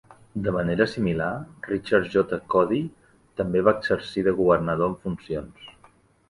De manera similar, Richard J. Codey també va exercir de governador en funcions.